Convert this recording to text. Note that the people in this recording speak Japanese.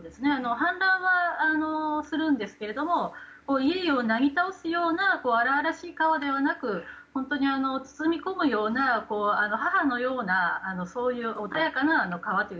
氾濫はするんですが家をなぎ倒すような荒々しい川ではなくて本当に包み込むような母のような穏やかな川という